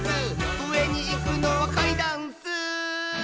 「うえにいくのはかいだんッスー」